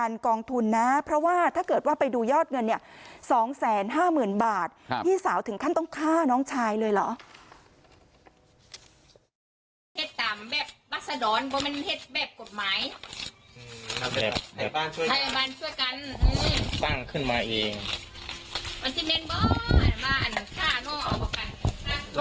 สองแสนห้าหมื่นบาทที่สาวถึงขั้นต้องฆ่าน้องชายเลยเหรอ